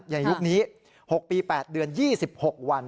อย่างในยุคนี้๖ปี๘เดือน๒๖วัน